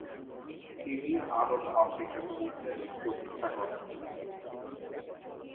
তিনি আরব-আফ্রিকান মহিলা লীগ প্রতিষ্ঠা করেন।